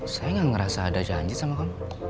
saya nggak ngerasa ada janji sama kamu